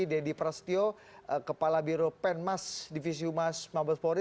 deddy prasetyo kepala biro penmas divisi umas mabespori